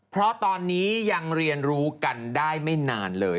เพราะตอนนี้ยังเรียนรู้กันได้ไม่นานเลย